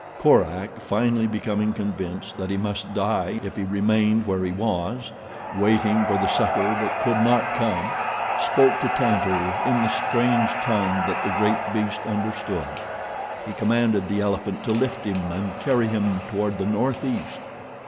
Korak, finally becoming convinced that he must die if he remained where he was, waiting for the succor that could not come, spoke to Tantor in the strange tongue that the great beast understood. He commanded the elephant to lift him and carry him toward the northeast.